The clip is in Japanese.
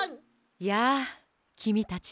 やあきみたち。